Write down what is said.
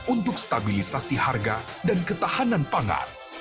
untuk stabilisasi harga dan ketahanan pangan